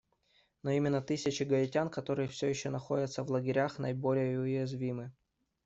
Но именно тысячи гаитян, которые все еще находятся в лагерях, наиболее уязвимы.